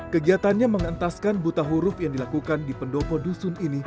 kegiatannya mengentaskan buta huruf yang dilakukan di kedul